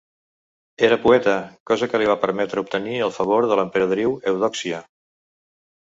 Era poeta, cosa que li va permetre obtenir el favor de l'emperadriu Eudòxia.